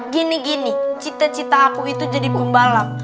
gini gini cita cita aku itu jadi pembalap